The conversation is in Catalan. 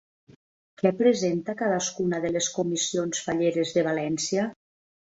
Què presenta cadascuna de les comissions falleres de València?